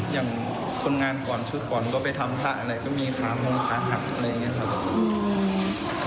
อย่างคนงานก่อนชุดก่อนก็ไปทำพระอะไรก็มีขามงขาหักอะไรอย่างนี้ครับ